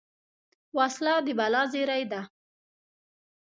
وسله د بلا زېری ده